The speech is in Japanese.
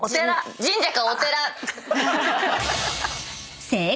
神社かお寺！